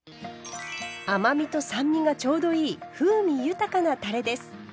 甘みと酸味がちょうどいい風味豊かなたれです。